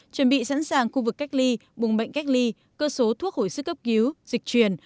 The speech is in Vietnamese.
chuẩn bị sẵn sàng khu vực cách ly bùng bệnh cách ly cơ số thuốc hồi sức cấp cứu dịch truyền